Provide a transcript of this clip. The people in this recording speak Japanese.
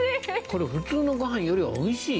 これ普通のごはんより美味しい。